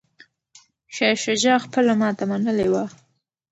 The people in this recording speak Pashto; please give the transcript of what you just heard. شاه شجاع خپله ماته منلې وه.